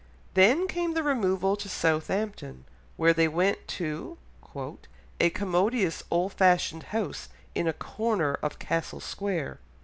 Then came the removal to Southampton, where they went to "a commodious old fashioned house in a corner of Castle Square."